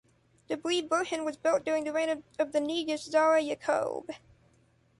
Debre Berhan was built during the reign of the Negus Zara Yaqob.